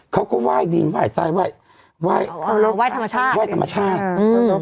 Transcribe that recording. เขาก็ไหว้ดินไหว้ทรายไหว้ไหว้อ๋อเราไหว้ธรรมชาติไหว้ธรรมชาติอืม